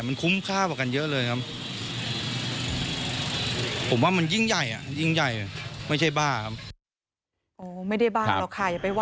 คือแค่รูปเรามาติดแค่นั้นเองแต่ว่าหมาตัวนี้อาจจะไม่โดนทำร้ายก็ได้